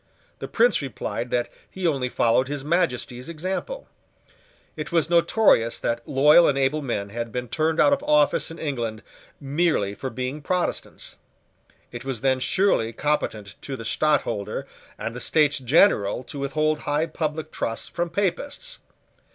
The Prince replied that he only followed his Majesty's example. It was notorious that loyal and able men had been turned out of office in England merely for being Protestants. It was then surely competent to the Stadtholder and the States General to withhold high public trusts from Papists.